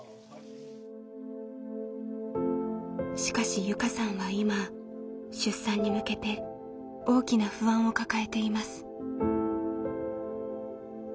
しかし友佳さんは今出産に向けて大きな不安を抱えています。